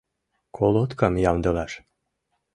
Колоткам ямдылаш...